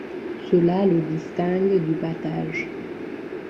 Cela le distingue du battage.